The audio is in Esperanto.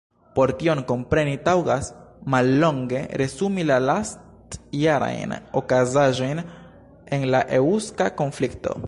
Por tion kompreni, taŭgas mallonge resumi la lastjarajn okazaĵojn en la eŭska konflikto.